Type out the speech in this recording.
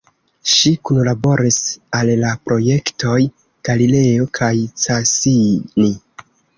Ŝi kunlaboris al la projektoj Galileo kaj Cassini.